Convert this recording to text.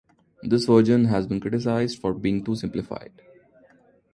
This version has been criticised for being too simplified.